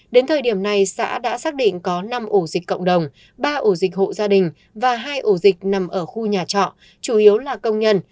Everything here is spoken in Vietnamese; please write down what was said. đến thời điểm này xã đã xác định có năm ổ dịch cộng đồng ba ổ dịch hộ gia đình và hai ổ dịch nằm ở khu nhà trọ chủ yếu là công nhân